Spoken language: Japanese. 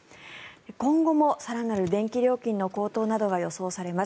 今後も更なる電気料金の高騰などが予想されます。